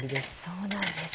そうなんです。